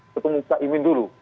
ketemu pak imin dulu